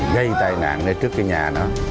gây tai nạn lên trước cái nhà đó